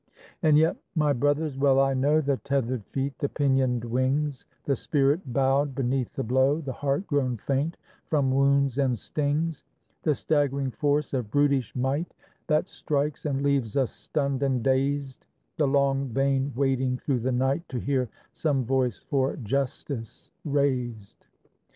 And yet, my brothers, well I know The tethered feet, the pinioned wings, The spirit bowed beneath the blow, The heart grown faint from wounds and stings; The staggering force of brutish might, That strikes and leaves us stunned and dazed; The long, vain waiting through the night To hear some voice for justice raised.